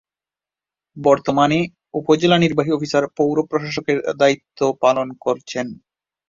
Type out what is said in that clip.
বর্তমানে উপজেলা নির্বাহী অফিসার পৌর প্রশাসকের দায়িত্ব পালন করছেন।